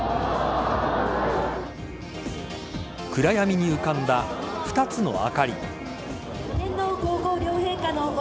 暗闇に浮かんだ２つの灯り。